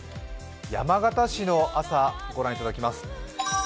山形市の朝、ご覧いただきます。